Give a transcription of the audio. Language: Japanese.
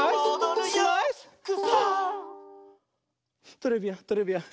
トレビアントレビアン。